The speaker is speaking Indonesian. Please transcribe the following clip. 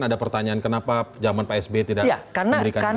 ada pertanyaan kenapa zaman pak sby tidak memberikan gerasi terhadap pak antasari